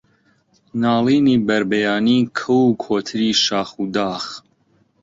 ناڵینی بەربەیانی کەو و کۆتری شاخ و داخ